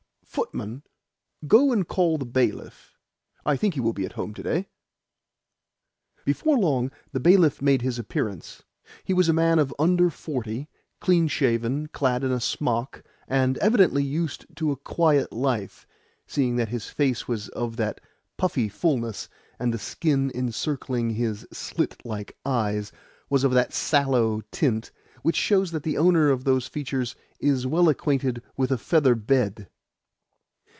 Footman, go and call the bailiff. I think he will be at home to day." Before long the bailiff made his appearance. He was a man of under forty, clean shaven, clad in a smock, and evidently used to a quiet life, seeing that his face was of that puffy fullness, and the skin encircling his slit like eyes was of that sallow tint, which shows that the owner of those features is well acquainted with a feather bed.